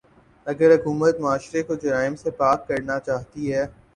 اگر حکومت معاشرے کو جرائم سے پاک کرنا چاہتی ہے۔